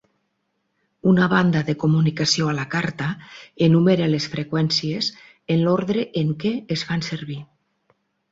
Una banda de comunicació a la carta enumera les freqüències en l'ordre en què es fan servir.